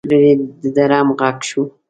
لرې د ډرم غږ شو.